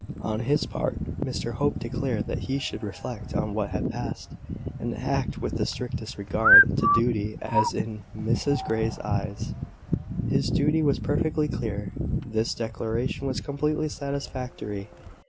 On his part, Mr Hope declared that he should reflect on what had passed, and act with the strictest regard to duty. As, in Mrs Grey's eyes, his duty was perfectly clear, this declaration was completely satisfactory.